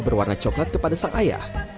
berwarna coklat kepada sang ayah